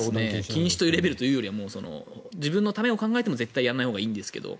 禁止というレベルよりは自分のためを考えても絶対やらないほうがいいんですけど。